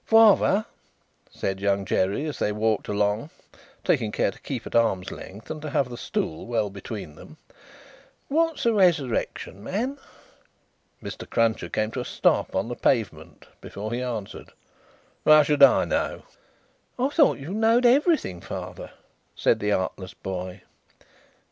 "Father," said Young Jerry, as they walked along: taking care to keep at arm's length and to have the stool well between them: "what's a Resurrection Man?" Mr. Cruncher came to a stop on the pavement before he answered, "How should I know?" "I thought you knowed everything, father," said the artless boy.